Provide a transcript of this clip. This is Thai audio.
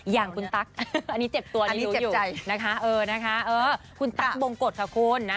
อย่างคุณตั๊กอันนี้เจ็บตัวในรูอยู่นะคะเออคุณตั๊กบงกดค่ะคุณนะ